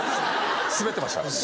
スベってました。